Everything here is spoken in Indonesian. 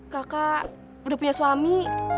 kakak udah punya suami